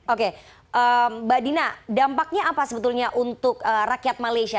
oke mbak dina dampaknya apa sebetulnya untuk rakyat malaysia